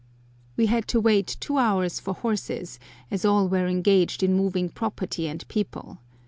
We had to wait two hours for horses, as all were engaged in moving property and people.